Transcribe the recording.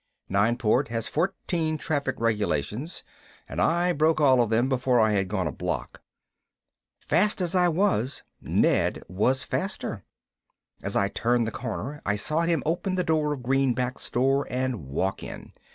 Nineport has fourteen traffic regulations and I broke all of them before I had gone a block. Fast as I was, Ned was faster. As I turned the corner I saw him open the door of Greenback's store and walk in.